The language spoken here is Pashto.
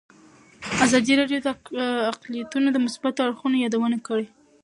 ازادي راډیو د اقلیتونه د مثبتو اړخونو یادونه کړې.